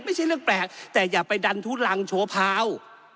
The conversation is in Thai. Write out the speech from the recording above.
ไม่ใช่เรื่องแปลกแต่อย่าไปดันทุลังโชว์พาว